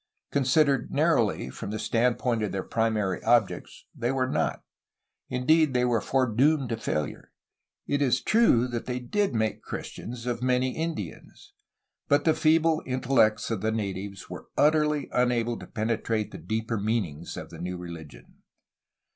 Considered narrowly, from the standpoint of their primary objects, they were not; indeed, they were foredoomed to failure. It is true that they did make Christians of many Indians, but the feeble intellects of the natives were utterly unable to penetrate the deeper meanings of the new religion.